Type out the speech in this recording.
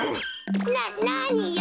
ななによ！